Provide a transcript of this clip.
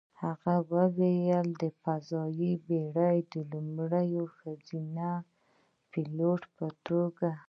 هغه وايي: "د فضايي بېړۍ د لومړنۍ ښځینه پیلوټې په توګه،